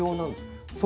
そう。